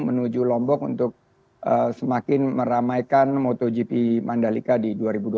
menuju lombok untuk semakin meramaikan motogp mandalika di dua ribu dua puluh